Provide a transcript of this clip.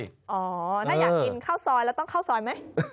ถ้าอยากกินข้าวซอยแล้วต้องเข้าซอยไหม